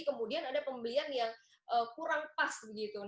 kemudian ada pembelian yang kurang pas begitu